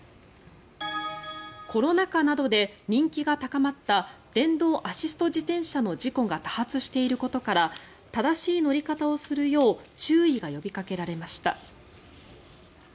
コロナ禍などで人気が高まった電動アシスト自転車の事故が多発していることから正しい乗り方をするよう注意が呼びかけられました。